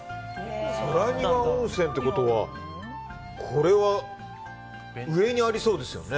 空庭温泉ってことはこれは、上にありそうですよね。